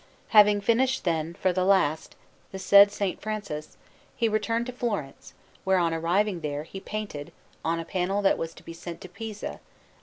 Having finished, then, for the last, the said S. Francis, he returned to Florence, where, on arriving there, he painted, on a panel that was to be sent to Pisa, a S.